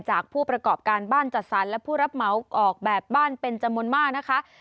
ผู้ประกอบการบ้านจัดสรรและผู้รับเหมาออกแบบบ้านเป็นจำนวนมากนะคะ